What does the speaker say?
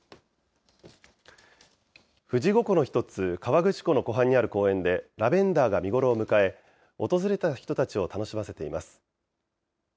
富士五湖の一つ、河口湖の湖畔にある公園で、ラベンダーが見頃を迎え、訪れた人たちを楽しませています。